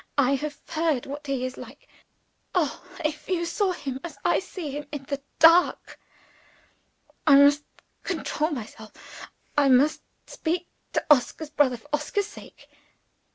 "I have heard what he is like. (Oh, if you saw him, as I see him, in the dark!) I must control myself. I must speak to Oscar's brother, for Oscar's sake."